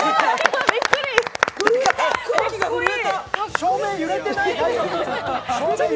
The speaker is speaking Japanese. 照明揺れてない？